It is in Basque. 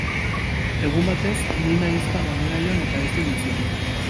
Egun batez, Nina ahizpa lanera joan eta ez zen itzuli.